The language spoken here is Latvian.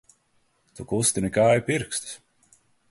Tu kustini kāju pirkstus!